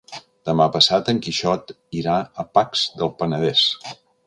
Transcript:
Demà passat en Quixot irà a Pacs del Penedès.